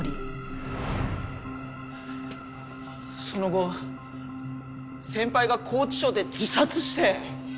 その後先輩が拘置所で自殺して。